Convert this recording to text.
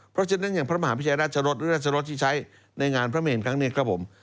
เพราะฉะนั้นอย่างพระมหาพิชัยราชรสหรือราชรสที่ใช้ในงานพระเมนครั้งนี้ครับผม